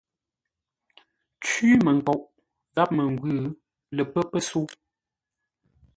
Cwímənkoʼ gháp məngwʉ̂ lə pə́ pəsə̌u.